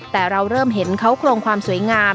แต่เราเริ่มเห็นเขาโครงความสวยงาม